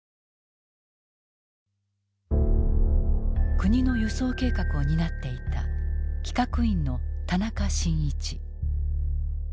国の輸送計画を担っていた企画院の田中申一。